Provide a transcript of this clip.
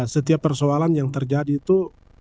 setiap persoalan yang terjadi itu